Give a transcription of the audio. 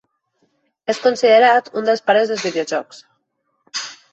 És considerat un dels pares dels videojocs.